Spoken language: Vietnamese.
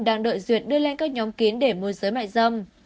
đang đợi duyệt đưa lên các nhóm kín để môi giới mại dâm